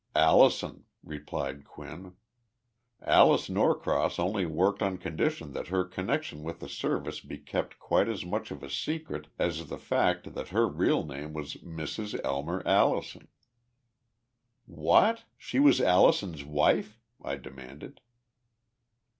"Allison," replied Quinn. "Alice Norcross only worked on condition that her connection with the Service be kept quite as much of a secret as the fact that her real name was Mrs. Elmer Allison." "What? She was Allison's wife?" I demanded.